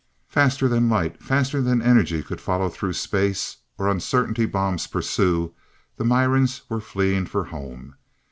Faster than light, faster than energy could follow through space, or Uncertainty Bombs pursue, the Mirans were fleeing for home.